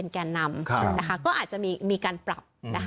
ก็อาจจะมีการปรับ